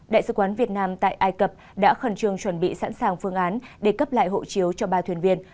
đại sứ quán việt nam tại ai cập đã khẩn trương chuẩn bị sẵn sàng phương án để cấp lại hộ chiếu cho ba thuyền viên